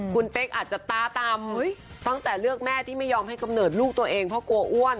คุณเป๊กอาจจะตาต่ำตั้งแต่เลือกแม่ที่ไม่ยอมให้กำเนิดลูกตัวเองเพราะกลัวอ้วน